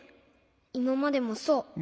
いままでもそう。